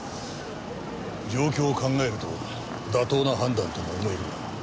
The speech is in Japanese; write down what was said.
状況を考えると妥当な判断とも思えるが。